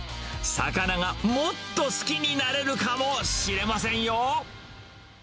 魚がもっと好きになれるかもしれませんよ。